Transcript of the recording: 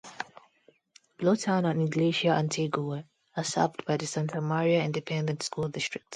Bluetown and Iglesia Antigua are served by the Santa Maria Independent School District.